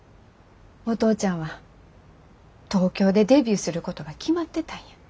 お父ちゃんは東京でデビューすることが決まってたんや。